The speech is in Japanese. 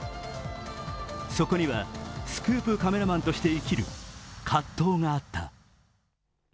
そこには、スクープカメラマンとして生きる葛藤があった。